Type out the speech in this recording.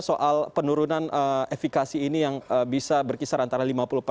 soal penurunan efikasi ini yang bisa berkisar antara lima puluh empat